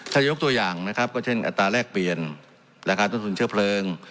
ถ้ายกตัวอย่างนะครับก็เช่นอัตราแรกเปลี่ยนราคาต้นทุนเชื้อเพลิง